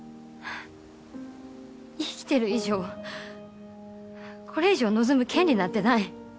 生きてる以上これ以上望む権利なんてない。